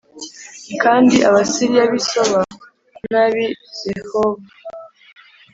kandi Abasiriya b’i Soba n’ab’i Rehobu